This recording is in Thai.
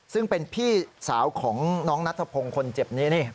ซึ่งเป็นพี่สาวของน้องนัทพงศ์คนเจ็บนี้นี่